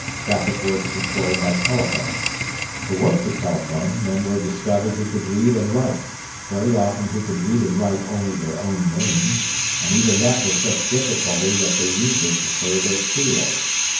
Traffic was controlled by telephone. To work the telephone, men were discovered who could read and write very often who could read and write only their own names, and even that with such difficulty that they usually preferred a seal.